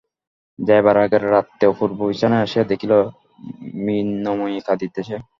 যাইবার আগের রাত্রে অপূর্ব বিছানায় আসিয়া দেখিল, মৃন্ময়ী কাঁদিতেছে।